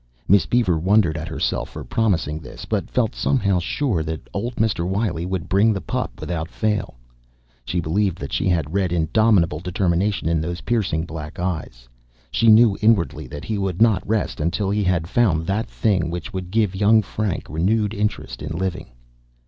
Miss Beaver wondered at herself for promising this but felt somehow sure that old Mr. Wiley would bring the pup without fail. She believed that she had read indomitable determination in those piercing black eyes; she knew inwardly that he would not rest until he had found that thing which would give young Frank renewed interest in living.